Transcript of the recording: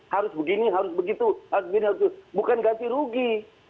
harus begini harus begitu harus begini harus itu bukan ganti rugi